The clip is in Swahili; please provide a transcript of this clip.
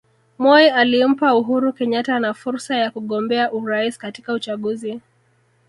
Moi alimpa Uhuru Kenyatta na fursa ya kugombea urais katika uchaguzi